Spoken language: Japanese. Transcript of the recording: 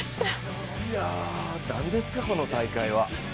いや、何ですか、この大会は。